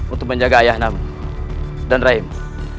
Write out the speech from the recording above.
untuk menjaga ayah namu dan raimu